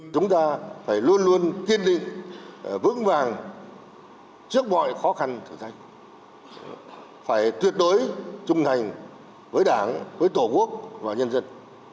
chúng ta phải luôn luôn kiên định vững vàng trước mọi khó khăn thử thách phải tuyệt đối trung thành với đảng với tổ quốc và nhân dân